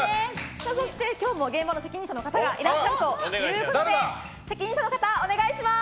今日も現場の責任者の方がいらっしゃるということで責任者の方、お願いします。